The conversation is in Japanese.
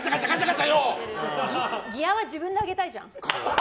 ギアは自分で上げたいじゃん。